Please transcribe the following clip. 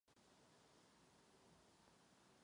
Ty slovu dávají význam.